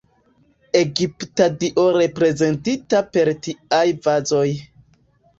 Egipta dio reprezentita per tiaj vazoj.